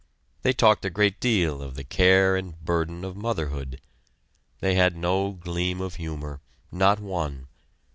They talked a great deal of the care and burden of motherhood. They had no gleam of humor not one.